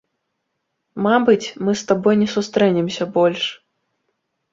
Мабыць, мы з табой не сустрэнемся больш.